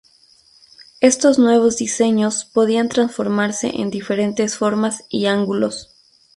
Estos nuevos diseños podían transformarse en diferentes formas y ángulos.